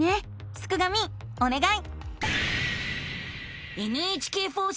すくがミおねがい！